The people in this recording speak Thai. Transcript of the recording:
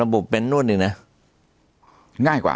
ระบบน่าไปพูดเรียกว่า